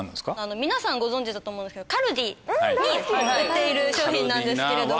皆さんご存じだと思うんですけどカルディに売っている商品なんですけれども。